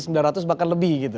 sembilan ratus bahkan lebih gitu